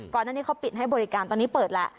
ก่อนหน้านี้เขาปิดให้บริการตอนนี้เปิดแล้ว